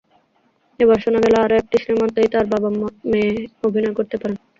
এবার শোনা গেল আরও একটি সিনেমাতেই নাকি বাবা মেয়ে অভিনয় করতে পারেন।